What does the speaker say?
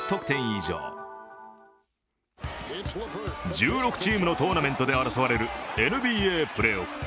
１６チームのトーナメントで争われるＮＢＡプレーオフ。